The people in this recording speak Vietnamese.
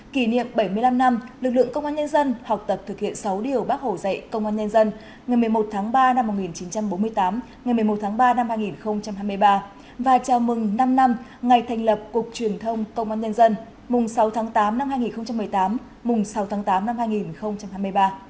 kỷ niệm bảy mươi năm năm lực lượng công an nhân dân học tập thực hiện sáu điều bác hổ dạy công an nhân dân ngày một mươi một tháng ba năm một nghìn chín trăm bốn mươi tám ngày một mươi một tháng ba năm hai nghìn hai mươi ba và chào mừng năm năm ngày thành lập cục truyền thông công an nhân dân mùng sáu tháng tám năm hai nghìn một mươi tám mùng sáu tháng tám năm hai nghìn hai mươi ba